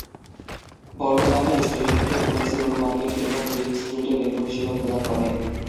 বর্তমানে স্টেশনটি Queens Road Market এবং গ্রিন স্ট্রিটে রেল পরিষেবা প্রদান করে।